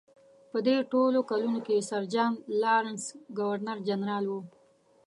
په دې ټولو کلونو کې سر جان لارنس ګورنر جنرال و.